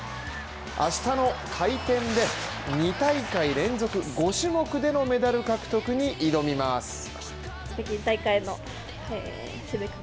明日の回転で２大会連続５種目でのメダル獲得に挑みます。